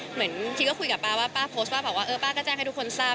เหมือนคิดก็คุยกับป้าว่าป้าโพสต์ป้าก็แจ้งให้ทุกคนทราบ